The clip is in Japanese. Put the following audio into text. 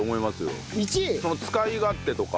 その使い勝手とか。